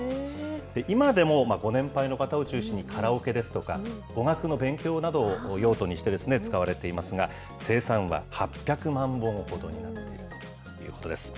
今でもご年配の方を中心に、カラオケですとか、語学の勉強などを用途にして使われていますが、生産は８００万本ほどになっているということです。